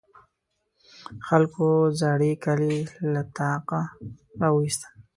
خلکو زاړې کالي له طاقه راواېستل.